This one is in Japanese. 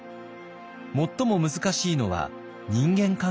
最も難しいのは人間関係でした。